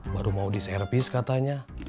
baru mau diservis katanya